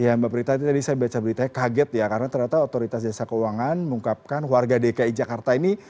ya mbak prita tadi saya baca beritanya kaget ya karena ternyata otoritas jasa keuangan mengungkapkan warga dki jakarta ini